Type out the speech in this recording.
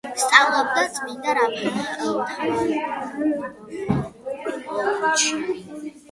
სწავლობდა წმინდა რაფაელ მთავარანგელოზისა და შემდგომ საღმრთო სულის აკადემიაში.